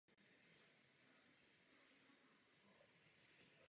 Obě elektrárny tak pracují při nižším spádu a nižší účinnosti.